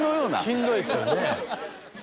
しんどいですよね。